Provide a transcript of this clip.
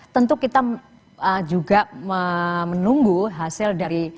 tentu kita juga menunggu hasil dari